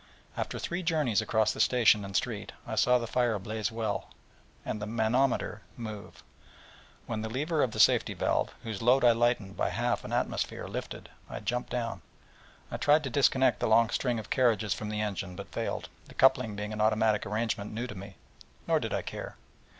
After three journeys across the station and street, I saw the fire blaze well, and the manometer move; when the lever of the safety valve, whose load I lightened by half an atmosphere, lifted, I jumped down, and tried to disconnect the long string of carriages from the engine: but failed, the coupling being an automatic arrangement new to me; nor did I care.